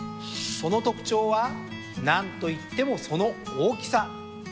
その特徴は何といってもその大きさ。